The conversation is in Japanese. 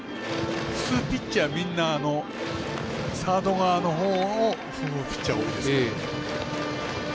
普通、ピッチャーはみんなサード側のほうを踏むピッチャーが多いです。